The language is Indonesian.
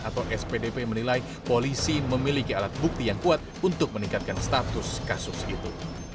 atau spdp menilai polisi memiliki alat bukti yang kuat untuk meningkatkan status kasus itu